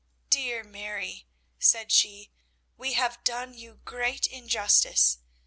"Dear Mary," said she, "we have done you great injustice.